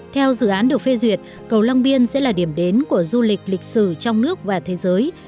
theo dự án được phê duyệt cầu long biên sẽ là điểm đến của du lịch lịch sử trong nước và thế giới